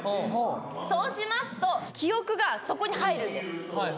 そうしますと、記憶がそこに入るんです。